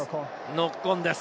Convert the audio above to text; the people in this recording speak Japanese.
ノックオンです。